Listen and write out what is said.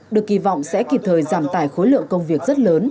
được kỳ vọng sẽ kịp thời giảm tải khối lượng công việc rất lớn